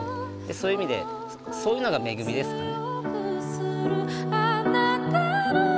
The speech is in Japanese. そういう意味でそういうのが恵みですかね。